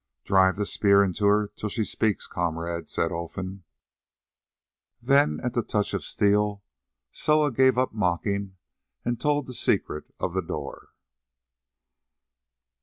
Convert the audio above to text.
"Drive the spear into her till she speaks, comrade," said Olfan. Then at the touch of steel Soa gave up mocking and told the secret of the door.